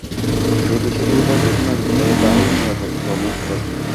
যে বিষয়টির ওপর বেশি নজর দিতে হবে তা হলো নিরাপদ কর্মস্থল।